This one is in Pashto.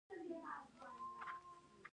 اخرت د څه ځای دی؟